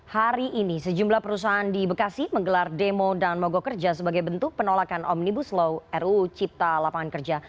hari ini sejumlah perusahaan di bekasi menggelar demo dan mogok kerja sebagai bentuk penolakan omnibus law ruu cipta lapangan kerja